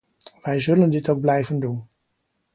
Wij zullen dit ook blijven doen.